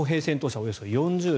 およそ４０台。